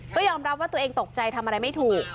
ก็ยอมรับว่าตัวเองตกใจทำอะไรไม่ถูก